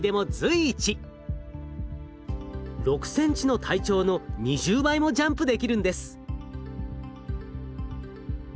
６ｃｍの体長の２０倍もジャンプできるんです。